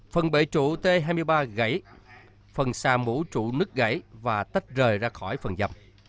phần bể trụ t hai mươi ba gãy phần xà mũ trụ nứt gãy và tách rời ra khỏi phần dầm